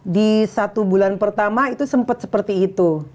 di satu bulan pertama itu sempat seperti itu